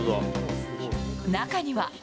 中には。